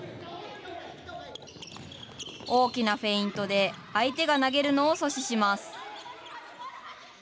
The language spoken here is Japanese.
大きなフェイントで相手が投げるのを阻止します。